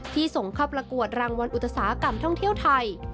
ส่งเข้าประกวดรางวัลอุตสาหกรรมท่องเที่ยวไทย